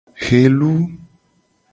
Helu.